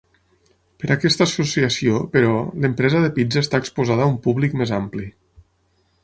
Per aquesta associació, però, l'empresa de pizza està exposada a un públic més ampli.